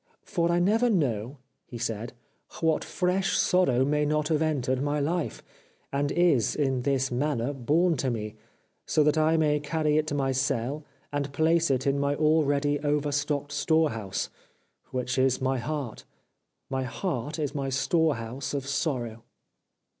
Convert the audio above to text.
" For I never know," he said, '' what fresh sorrow may not have entered my life, and is, in this manner, borne to me, so that I may carry it to my cell, and place it in my already over stocked storehouse, which is my heart. My heart is my storehouse of sorrow